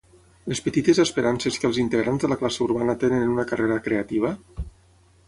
Les petites esperances que els integrants de la classe urbana tenen en una carrera creativa?